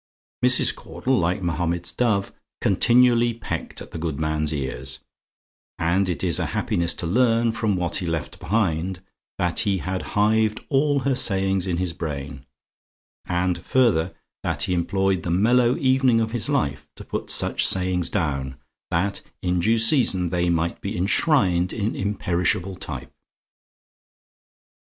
Mrs. Caudle, like Mahomet's dove, continually pecked at the good man's ears; and it is a happiness to learn from what he left behind that he had hived all her sayings in his brain; and further, that he employed the mellow evening of his life to put such sayings down, that, in due season, they might be enshrined in imperishable type.